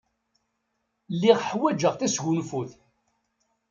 Lliɣ ḥwajeɣ tasgunfut.